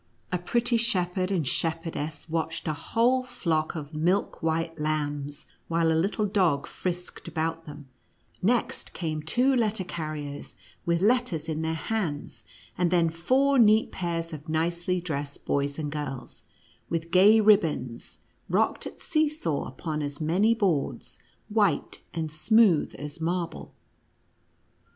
A pretty shepherd and shepherdess watched a whole flock of milk white lambs, while a little dog frisked about them ; next came two letter carriers, with letters in their hands ; and then four neat pairs of nicely dressed boys and girls, with gay ribbons, rocked at see saw upon as many boards, white and smooth as marble.